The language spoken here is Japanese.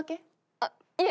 あっいえ。